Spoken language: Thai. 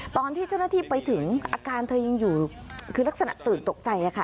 ตอนที่เจ้าหน้าที่ไปถึงอาการเธอยังอยู่คือลักษณะตื่นตกใจค่ะ